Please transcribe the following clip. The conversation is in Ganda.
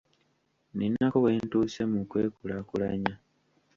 Ninako we ntuuse mu kwekulaakulanya.